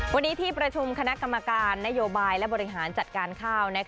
วันนี้ที่ประชุมคณะกรรมการนโยบายและบริหารจัดการข้าว